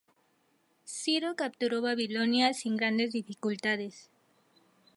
Ciro capturó Babilonia sin grandes dificultades.